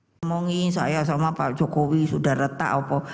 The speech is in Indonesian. ngomongi saya sama pak jokowi sudah retak apa